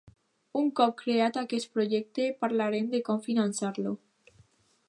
Un cop creat aquest projecte, parlarem de com finançar-lo.